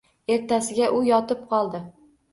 Ertasiga u yotib qoldi.